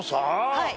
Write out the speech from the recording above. はい。